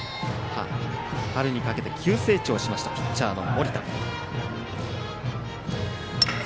春にかけて急成長しましたピッチャーの盛田。